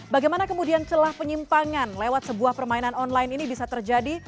bagaimana kemudian celah penyimpangan lewat sebuah permainan online ini bisa terjadi